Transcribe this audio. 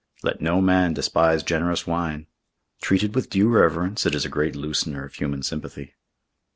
Let no man despise generous wine. Treated with due reverence it is a great loosener of human sympathy.